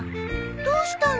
どうしたの？